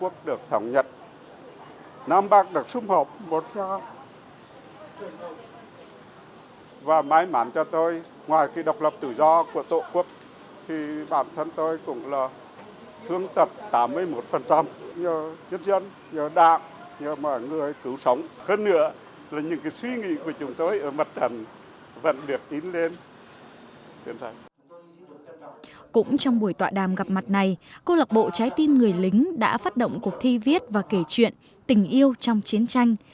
cũng trong buổi tọa đàm gặp mặt này cô lạc bộ trái tim người lính đã phát động cuộc thi viết và kể chuyện tình yêu trong chiến tranh